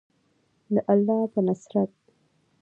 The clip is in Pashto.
د الله په نصرت.